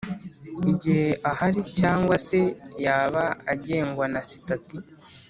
igihe ahari cyangwa se yaba agengwa na sitati